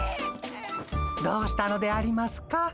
どうしたのでありますか？